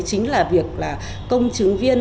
chính là việc công chứng viên